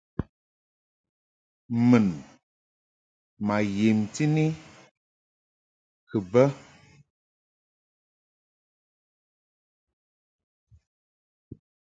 Mun ma yemti ni kɨ bə.